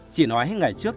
chị nói hết ngày trước